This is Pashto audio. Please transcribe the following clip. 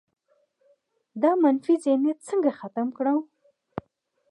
دا منفي ذهنیت څنګه ختم کړو؟